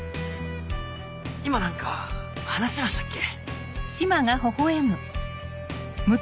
今何か話してましたっけ？